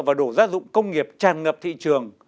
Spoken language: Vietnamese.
và đồ gia dụng công nghiệp tràn ngập thị trường